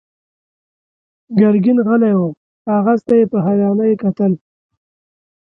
ګرګين غلی و، کاغذ ته يې په حيرانۍ کتل.